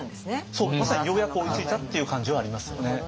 そうまさにようやく追いついたっていう感じはありますよね。